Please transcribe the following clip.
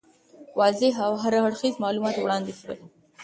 واضح او هر اړخیز معلومات وړاندي سول.